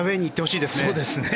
そうですね。